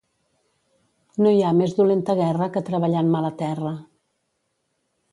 No hi ha més dolenta guerra que treballar en mala terra.